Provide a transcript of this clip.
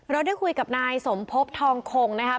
เราได้คุยกับนายสมพบทองคงนะครับ